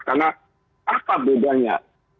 karena apa bedanya